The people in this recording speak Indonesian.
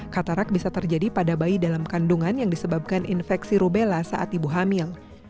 katarak bisa terjadi pada bayi dalam kandungan yang disebabkan infeksi rubella saat ibu hamil